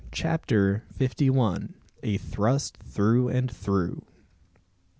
CHAPTER FIFTY ONE. A THRUST THROUGH AND THROUGH.